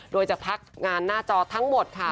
โดยจะพักงานหน้าจอทั้งหมดค่ะ